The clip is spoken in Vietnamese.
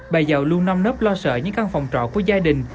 bà giàu luôn nâm nớp lo sợ những căn phòng trọ của gia đình